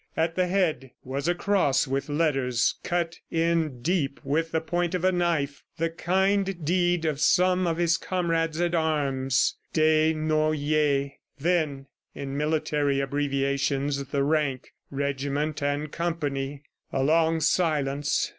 At the head was a cross with letters cut in deep with the point of a knife, the kind deed of some of his comrades at arms "DESNOYERS." ... Then in military abbreviations, the rank, regiment and company. A long silence.